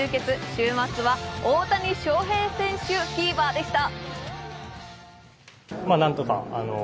週末は大谷翔平選手フィーバーでした。